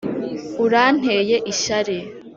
uranteye ishyari.